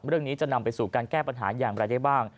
เรื่องนี้จะนำไปสู่การแก้ปัญหาอย่างไรได้บ้าง